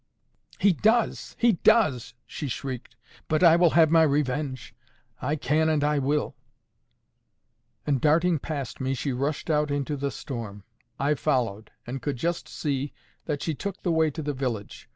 "He does! he does!" she shrieked; "but I will have my revenge. I can and I will." And, darting past me, she rushed out into the storm. I followed, and could just see that she took the way to the village.